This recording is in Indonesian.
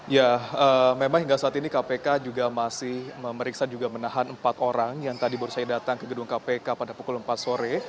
ya memang hingga saat ini kpk juga masih memeriksa juga menahan empat orang yang tadi baru saja datang ke gedung kpk pada pukul empat sore